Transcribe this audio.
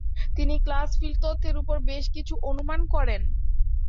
তিনি class field তত্ত্বের ওপর বেশ কিছু অনুমান করেন।